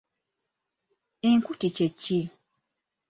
Enkuti kye ki?